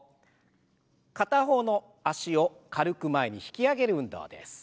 片方の脚を軽く前に引き上げる運動です。